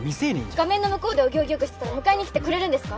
画面の向こうでお行儀よくしてたら迎えにきてくれるんですか？